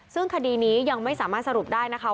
ซึ่งคดีนี้ยังไม่สามารถสรุปได้นะคะ